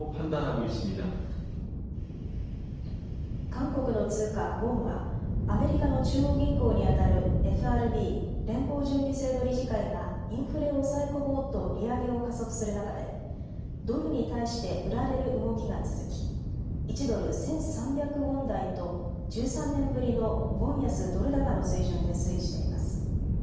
韓国の通貨ウォンはアメリカの中央銀行にあたるＦＲＢ・連邦準備制度理事会がインフレを抑え込もうと利上げを加速する中でドルに対して売られる動きが続き１ドル１３００ウォン台と１３年ぶりのウォン安ドル高の水準で推移しています。